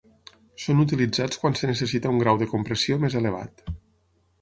Són utilitzats quan es necessita un grau de compressió més elevat.